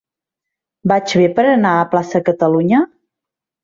Vaig bé per anar a Plaça Catalunya?